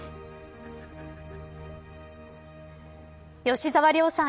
吉沢亮さん